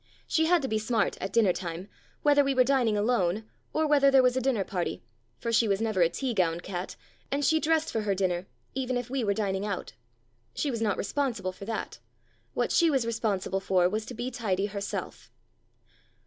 She had to be smart at dinner time, whether we were dining alone, or whether there was a dinner party, for she was never a tea gown cat, and she dressed for her dinner, even if we were dining out. 241 " Puss cat " She was not responsible for that; what she was responsible for was to be tidy herself.